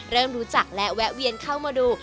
เริ่มรู้จักและแวะเวียนเข้ามาดู